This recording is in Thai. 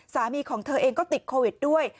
สามีของเธอเองก็ติดโควิดด้วย